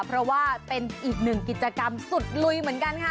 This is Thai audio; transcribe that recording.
เพราะว่าเป็นอีกหนึ่งกิจกรรมสุดลุยเหมือนกันค่ะ